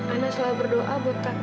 ana selalu berdoa buat kakak